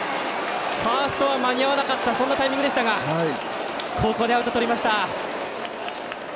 ファーストは間に合わなかったそんなタイミングでしたがここでアウトをとりました。